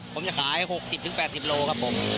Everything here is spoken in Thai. ผมจะขาย๖๐๘๐โหล